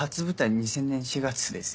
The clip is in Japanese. ２０００年４月ですよ。